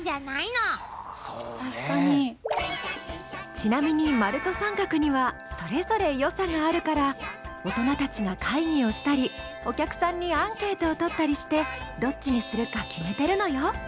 ちなみに丸と三角にはそれぞれ良さがあるから大人たちが会議をしたりお客さんにアンケートを取ったりしてどっちにするか決めてるのよ